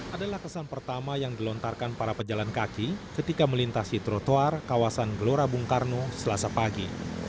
adalah kesan pertama yang dilontarkan para pejalan kaki ketika melintasi trotoar kawasan gelora bung karno selasa pagi